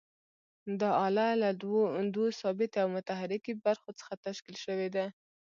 دا آله له دوو ثابتې او متحرکې برخو څخه تشکیل شوې ده.